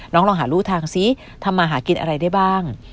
ลองหารูทางซิทำมาหากินอะไรได้บ้าง